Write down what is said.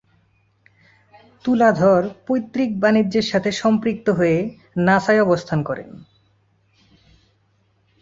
তুলাধর পৈতৃক বাণিজ্যের সাথে সম্পৃক্ত হয়ে লাসায় অবস্থান করেন।